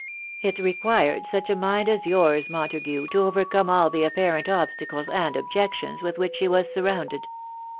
It required such a mind as yours, Montague, to over come all, the apparent^bstadea an& dttyetitaroa VvOa. ^hich she was surrounded.